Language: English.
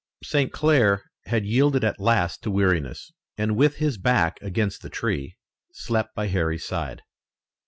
St. Clair had yielded at last to weariness and with his back against the tree slept by Harry's side.